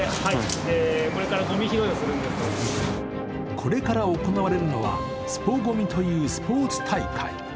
これから行われるのはスポＧＯＭＩというスポーツ大会。